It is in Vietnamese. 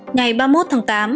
ngày ba mươi một tháng tám